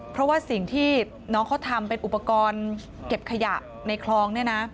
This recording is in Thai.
เพราะว่าสิ่งที่น้องเขาทำเป็นอุปกรณ์เก็บขยะในคลองเนี่ยนะ